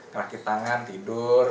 merakit tangan tidur